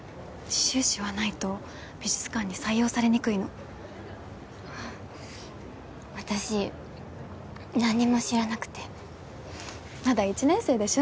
修士はないと美術館に採用されにくいの私何も知らなくてまだ１年生でしょ